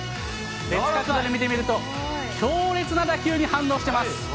別角度で見てみると、強烈な打球に反応してます。